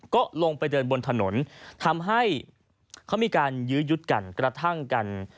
ก็ลงไปเดินบนถนนทำให้เขามีการยื้อยุดกันกระทั่งกัน